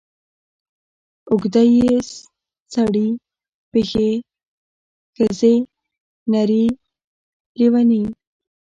اوږده ې سړې پښې ښځې نرې لېونې